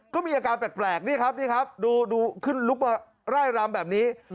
ก็มีอาการแปลกนี่ครับนี่ครับดูขึ้นลุกมาร่ายรำแบบนี้